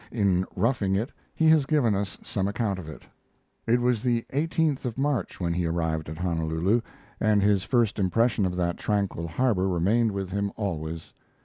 In 'Roughing It' he has given us some account of it. It was the 18th of March when he arrived at Honolulu, and his first impression of that tranquil harbor remained with him always.